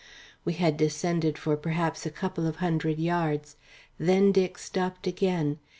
We had descended for perhaps a couple of hundred yards; then Dick stopped again.